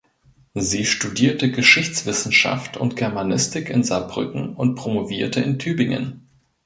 Sie studierte Geschichtswissenschaft und Germanistik in Saarbrücken und promovierte in Tübingen.